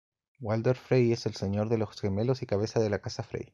Walder Frey es el Señor de Los Gemelos y cabeza de la Casa Frey.